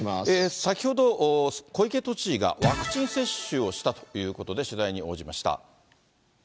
先ほど、小池都知事がワクチン接種をしたということで、取材に応じました。